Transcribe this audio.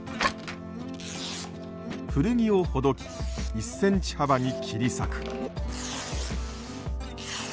古着をほどき１センチ幅に切り裂く。